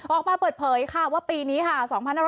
ออกมาเปิดเผยค่ะว่าปีนี้ค่ะ